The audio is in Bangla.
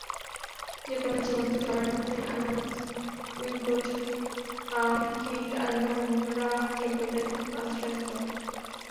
যেকোনো জীবন্ত শহরের মতো, আনউই প্রচুর কীট আর নোংরাখেকোদের আশ্রয়স্থল।